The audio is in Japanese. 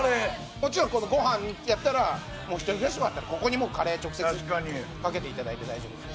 もちろんご飯やったらもう一人暮らしとかだったらここにもうカレー直接かけて頂いて大丈夫です。